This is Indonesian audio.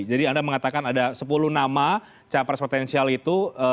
jadi anda mengatakan ada sepuluh nama capres potensial itu